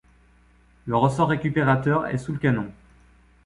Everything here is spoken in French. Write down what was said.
Le ressort récupérateur est sous le canon.